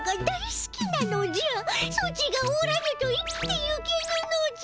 ソチがおらぬと生きてゆけぬのじゃ。